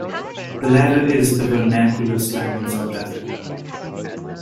The latter is the vernacular slang in South Africa.